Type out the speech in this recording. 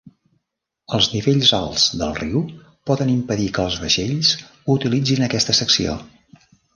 Els nivells alts del riu poden impedir que els vaixells utilitzin aquesta secció.